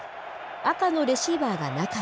赤のレシーバーが中へ。